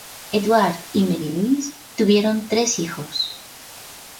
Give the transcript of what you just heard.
Edward y Marie Louise tuvieron tres hijos.